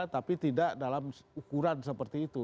tapi tidak dalam ukuran seperti itu